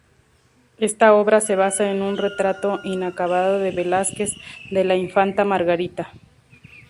Esta obra se basa en un retrato inacabado de Velázquez de la infanta Margarita.